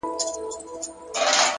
مثبت فکر د ستونزو وزن کموي